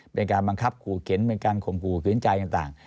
เป็นการบังคับขู่เก็นเป็นการข่มขู่เก็นจ่ายกันต่าง